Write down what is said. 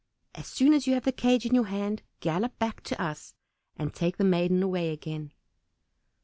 As soon as you have the cage in your hand gallop back to us, and take the maiden away again."